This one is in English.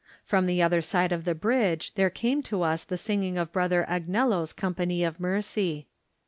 From the other side of the bridge there came to us the singing of Brother Agnello's company of mercy.